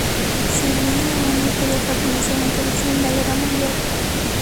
Sirvió en la Armada Imperial Japonesa durante la Segunda Guerra Mundial.